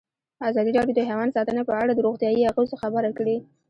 ازادي راډیو د حیوان ساتنه په اړه د روغتیایي اغېزو خبره کړې.